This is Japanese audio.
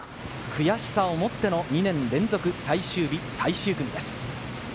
悔しさを持っての２年連続最終日最終組です。